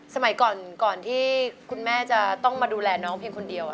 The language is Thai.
สมัยก่อนที่คุณแม่จะต้องมาดูแลน้องเพียงคนเดียว